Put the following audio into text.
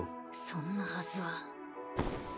そんなはずは。